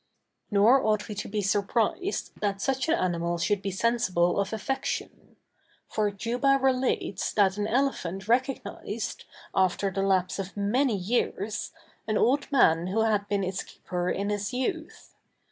Nor ought we to be surprised that such an animal should be sensible of affection: for Juba relates, that an elephant recognized, after the lapse of many years, an old man who had been its keeper in his youth.